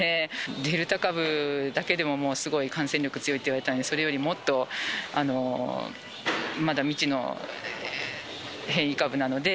デルタ株だけでももうすごい感染力強いっていわれてたのに、それよりもっと、まだ未知の変異株なので。